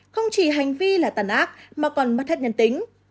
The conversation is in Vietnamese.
không chỉ hành vi là tàn ác mà còn mất thất nhân tính